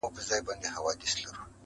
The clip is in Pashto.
كوم اورنګ به خپل زخمونه ويني ژاړې-